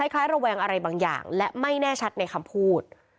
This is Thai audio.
ระแวงอะไรบางอย่างและไม่แน่ชัดในคำพูด